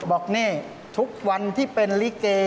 บอกนี่ทุกวันที่เป็นลิเก